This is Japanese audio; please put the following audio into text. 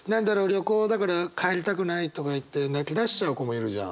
旅行だから帰りたくないとか言って泣きだしちゃう子もいるじゃん。